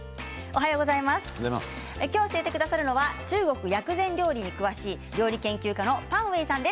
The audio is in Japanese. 今日教えてくださるのは中国薬膳料理に詳しい料理研究家のパン・ウェイさんです。